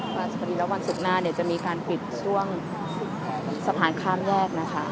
พระราชบดีแล้ววันศุกร์หน้าเนี่ยจะมีการปิดช่วงสะพานข้ามแยกนะคะ